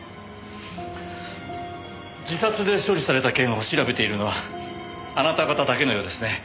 自殺で処理された件を調べているのはあなた方だけのようですね。